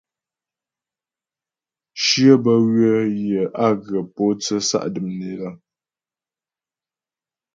Shyə bə́ ywə̌ yə á ghə pǒtsə sa' dəm né lə.